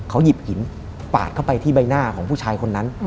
เขาหยิบหินปาดเข้าไปที่ใบหน้าของผู้ชายคนนั้น